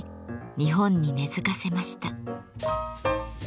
日本に根づかせました。